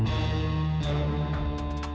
mak lama nih